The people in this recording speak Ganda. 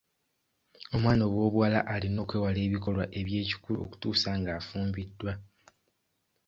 Omwana ow'obuwala alina okwewala ebikolwa eby'ekikulu okutuusa ng'afumbiddwa.